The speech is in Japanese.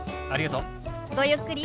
ありがとう。